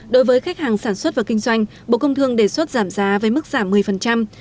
đối với khách hàng sản xuất và kinh doanh bộ công thương đề xuất giảm giá với mức giảm một mươi